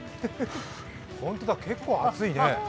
本当だ、結構厚いね。